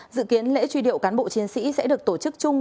dự kiến lễ truy điệu cán bộ chiến sĩ sẽ được tổ chức chung